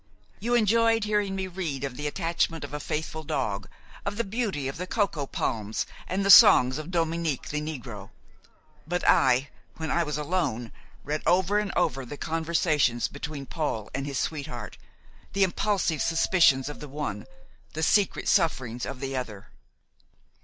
You enjoyed hearing me read of the attachment of a faithful dog, of the beauty of the cocoa palms and the songs of Dominique the negro. But I, when I was alone, read over and over the conversations between Paul and his sweetheart, the impulsive suspicions of the one, the secret sufferings of the other.